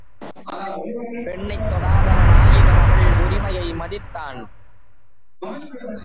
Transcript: பெண்ணைத் தொடாதவன் ஆயினும் அவள் உரிமையை மதித்தான்.